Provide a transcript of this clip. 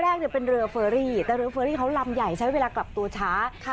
แรกเป็นเรือเฟอรี่แต่เรือเฟอรี่เขาลำใหญ่ใช้เวลากลับตัวช้า